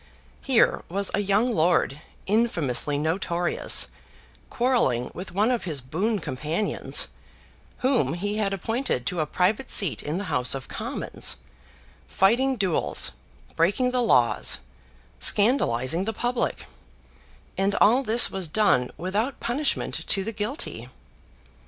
Here was a young lord, infamously notorious, quarrelling with one of his boon companions, whom he had appointed to a private seat in the House of Commons, fighting duels, breaking the laws, scandalising the public, and all this was done without punishment to the guilty!